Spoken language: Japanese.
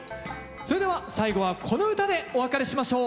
それでは最後はこの唄でお別れしましょう。